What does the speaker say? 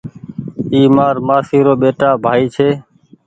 اي مآر مآسي رو ٻيٽآ ڀآئي ڇي